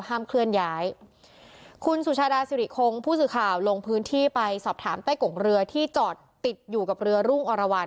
เคลื่อนย้ายคุณสุชาดาสิริคงผู้สื่อข่าวลงพื้นที่ไปสอบถามใต้กงเรือที่จอดติดอยู่กับเรือรุ่งอรวรรณ